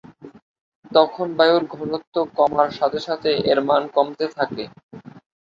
তখন বায়ুর ঘনত্ব কমার সাথে সাথে এর মান কমতে থাকে।